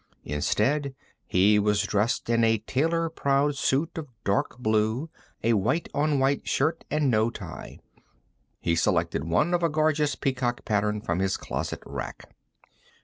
Instead, he was dressed in a tailor proud suit of dark blue, a white on white shirt and no tie. He selected one of a gorgeous peacock pattern from his closet rack.